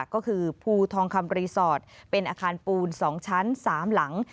ก็คือภูทองคำรีสอร์ทเป็นอาคารปูน๒ชั้น๓หลัง